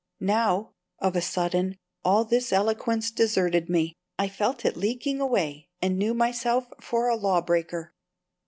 Now, of a sudden, all this eloquence deserted me: I felt it leaking away and knew myself for a law breaker.